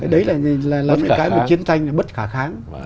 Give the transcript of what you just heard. đấy là cái chiến tranh bất khả kháng